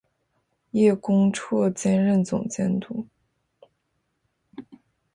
叶恭绰兼任总监督。